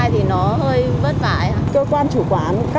chỉnh làm giấy thứ hai thì nó hơi vất vả ấy ạ